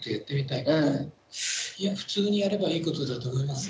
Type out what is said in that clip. いや普通にやればいいことだと思いますよ。